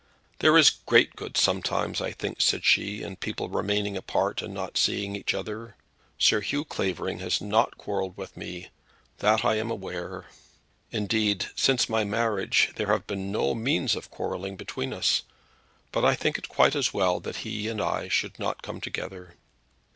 "There is great good sometimes I think," said she, "in people remaining apart and not seeing each other. Sir Hugh Clavering has not quarrelled with me, that I am aware. Indeed, since my marriage there have been no means of quarrelling between us. But I think it quite as well that he and I should not come together."